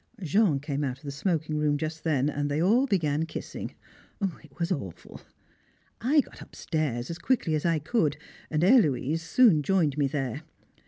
Jean came out of the smoking room just then and they all began kissing it was awful. I got upstairs as quickly as I could, and Héloise soon joined me there.